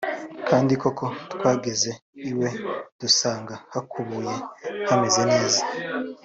kandi koko twageze iwe dusanga hakubuye hameze neza